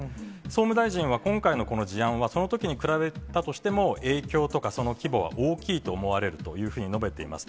総務大臣は、今回のこの事案はそのときに比べたとしても、影響とか、その規模は大きいと思われるというふうに述べています。